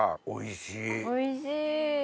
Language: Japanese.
おいしい。